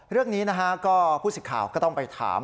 เรื่องนี้นะครับก็ผู้สิดข่าวก็ต้องไปถาม